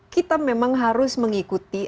kita memang harus mengikuti